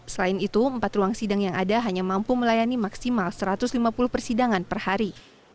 selain itu empat ruang sidang yang ada hanya mampu melayani maksimal satu ratus lima puluh persidangan per hari